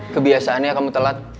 kebiasaannya kamu telat